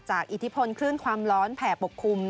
อิทธิพลคลื่นความร้อนแผ่ปกคลุม